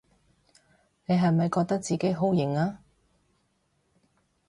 你係咪覺得自己好型吖？